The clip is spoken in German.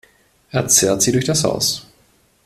Er zerrt sie durch das Haus.